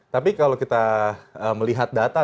tapi kalau kita melihat data